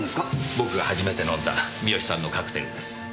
僕が初めて飲んだ三好さんのカクテルです。